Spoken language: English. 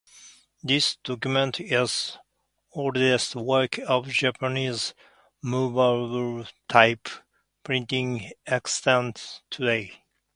This document is the oldest work of Japanese moveable type printing extant today.